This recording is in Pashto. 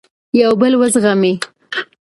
یو بل وزغمئ.